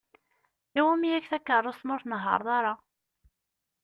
Iwumi-ak takeṛṛust ma ur tnehher-ḍ ara?